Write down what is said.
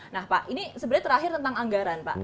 nah pak ini sebenarnya terakhir tentang anggaran pak